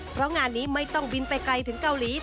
เพราะงานนี้ไม่ต้องบินไปไกลถึงเกาหลี